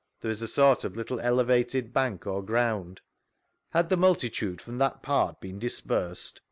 — There is a sort of little elevated bank or ground. 'Uskd the multitude from that part been dis persed?